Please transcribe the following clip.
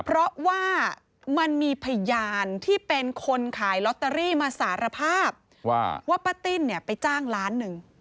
เพราะว่ามันมีพยานที่เป็นคนขายลอตเตอรี่มาสารภาพว่าป้าติ้นเนี่ยไปจ้างล้านหนึ่ง